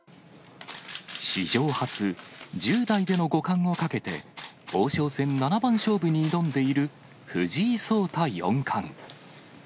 史上初、１０代での五冠をかけて、王将戦七番勝負に挑んでいる藤井聡太四冠。